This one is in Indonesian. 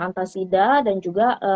antasida dan juga